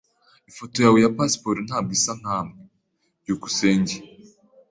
Ifoto yawe ya pasiporo ntabwo isa nkamwe. byukusenge